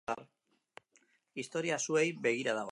Historia zuei begira dago.